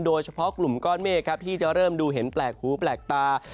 โดยเฉพาะกลุ่มก้อนเมฆครับที่จะเริ่มดูเห็นแปลกหูแปลกตา